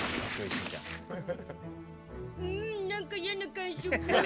うん、何か嫌な感触。